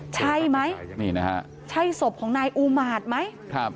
ใช่ไหมใช่ศพของนายอู่หมาดไหม